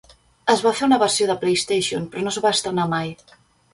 Es va fer una versió de PlayStation, però no es va estrenar mai.